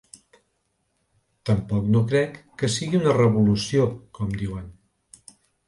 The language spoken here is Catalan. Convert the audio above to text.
Tampoc no crec que sigui una revolució, com diuen.